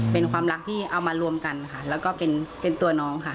เป็นความรักที่เอามารวมกันค่ะแล้วก็เป็นตัวน้องค่ะ